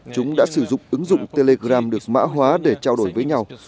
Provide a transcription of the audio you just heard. chúng đã sử dụng ứng dụng telegram được mã hóa để trao đổi với nhau